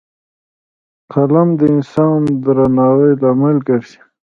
قلم د انسان د درناوي لامل ګرځي